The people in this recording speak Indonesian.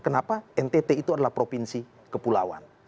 kenapa ntt itu adalah provinsi kepulauan